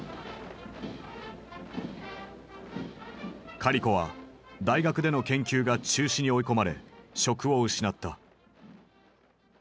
カリコは大学での研究が中止に追い込まれ職を失った。